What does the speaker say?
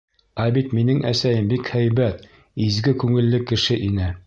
Ә бит минең әсәйем бик һәйбәт, изге күңелле кеше ине.